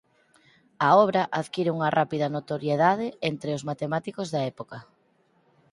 A obra adquire unha rápida notoriedade entre os matemáticos da época.